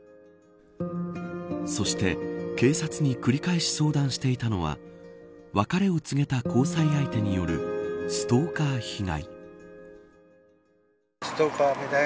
そして警察に繰り返し相談していたのは別れを告げた交際相手によるストーカー被害。